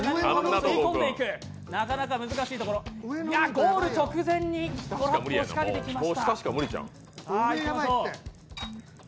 ゴール直前にトラップを仕掛けてきました。